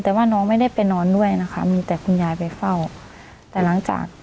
แต่ว่าน้องไม่ได้ไปนอนด้วยนะคะมีแต่คุณยายไปเฝ้าแต่หลังจาก